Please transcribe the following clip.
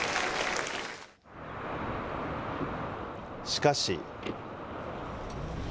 しかし。